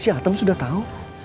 si atom sudah tau